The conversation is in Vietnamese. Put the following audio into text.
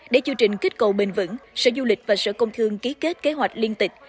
để chương trình kích cầu bền vững sở du lịch và sở công thương ký kết kế hoạch liên tịch